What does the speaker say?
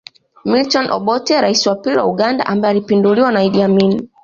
Milton Obote Rais wa pili wa Uganda ambaye alipinduliwa na Idi Amin